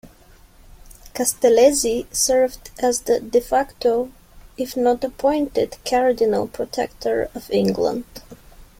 Castellesi served as the "de facto" if not appointed cardinal protector of England.